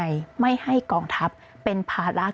สิ่งที่ประชาชนอยากจะฟัง